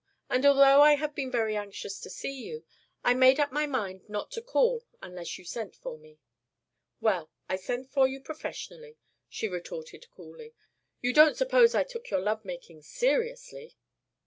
And although I have been very anxious to see you, I had made up my mind not to call unless you sent for me." "Well, I sent for you professionally," she retorted coolly. "You don't suppose I took your love making seriously."